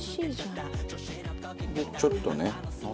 でちょっとね。